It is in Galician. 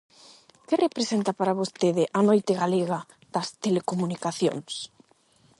Que representa para vostede a Noite Galega das Telecomunicacións?